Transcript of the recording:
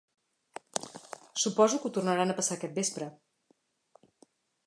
Suposo que ho tornaran a passar aquest vespre.